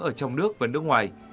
ở trong nước và nước ngoài